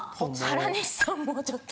原西さんもちょっと。